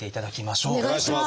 お願いします！